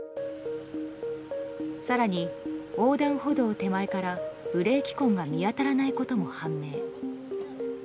更に、横断歩道手前からブレーキ痕が見当たらないことも判明。